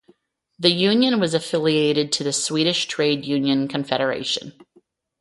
The union was affiliated to the Swedish Trade Union Confederation.